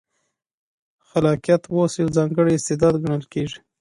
خلاقیت اوس یو ځانګړی استعداد ګڼل کېږي.